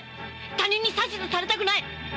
他人に指図されたくない！